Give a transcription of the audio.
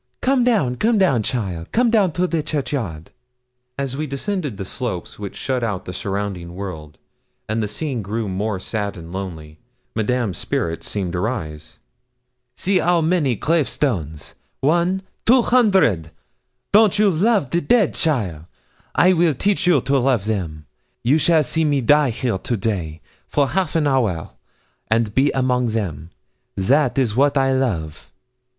'Come down, come down, cheaile come down to the churchyard.' As we descended the slope which shut out the surrounding world, and the scene grew more sad and lonely, Madame's spirits seemed to rise. 'See 'ow many grave stones one, two hundred. Don't you love the dead, cheaile? I will teach you to love them. You shall see me die here to day, for half an hour, and be among them. That is what I love.'